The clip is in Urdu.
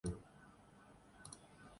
متحدہ عرب امارات